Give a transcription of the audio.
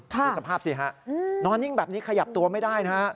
ดูสภาพสิฮะนอนนิ่งแบบนี้ขยับตัวไม่ได้นะฮะ